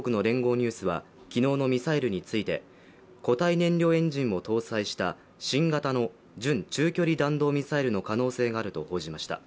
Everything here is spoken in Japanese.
ニュースは、昨日のミサイルについて固体燃料エンジンを搭載した新型の準中距離弾道ミサイルの可能性があると報じました。